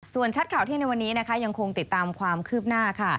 ส่วนชัดข่าวเที่ยงในวันนี้นะคะยังคงติดตามความคืบหน้าค่ะ